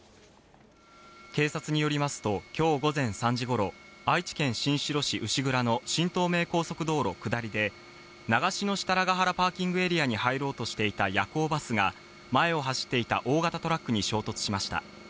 警察によりますと、今日午前３時頃、愛知県新城市牛倉の新東名高速道路下りで長篠設楽原パーキングエリアに入ろうとしていた夜行バスが前を走っていた大型トラックに衝突しました。